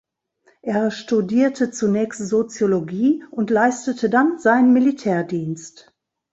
Er studierte zunächst Soziologie und leistete dann seinen Militärdienst.